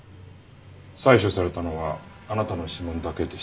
採取されたのはあなたの指紋だけでした。